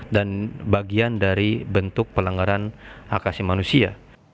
dan bagian dari bentuk pelanggaran hak asing manusia